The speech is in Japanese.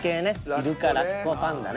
イルカラッコパンダね。